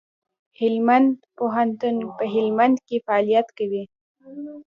هلمند پوهنتون په هلمند کي فعالیت کوي.